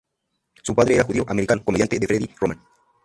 Su padre era judío-americano comediante Freddie Roman.